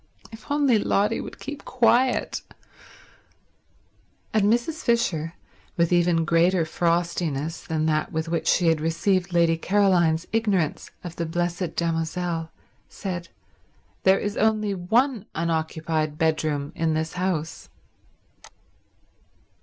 If only Lotty would keep quiet ... And Mrs. Fisher, with even greater frostiness than that with which she had received Lady Caroline's ignorance of the Blessed Damozel, said, "There is only one unoccupied bedroom in this house."